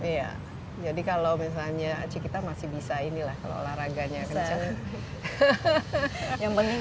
iya jadi kalau misalnya aci kita masih bisa ini lah kalau olahraganya kencang